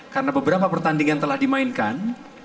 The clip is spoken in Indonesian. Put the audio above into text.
karena beberapa pertandingan telah dimainkan